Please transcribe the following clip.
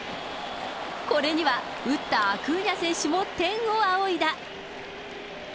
これには、打ったアクーニャ選手も天を仰いだ。